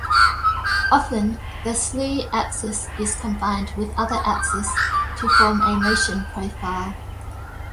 Often the slew axis is combined with other axis to form a motion profile.